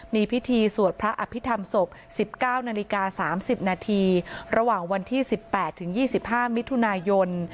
มีพิธีสวดพระอภิษฐรรมศพ๑๙นาฬิกา๓๐นาทีระหว่างวันที่๑๘๒๕มิถุนายน